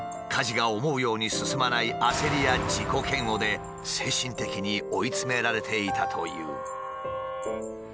家事が思うように進まない焦りや自己嫌悪で精神的に追い詰められていたという。